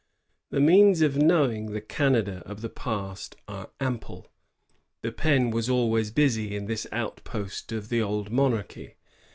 The means of knowing the Canada of the past are ample. The pen was always busy in this outpost of the old monarchy.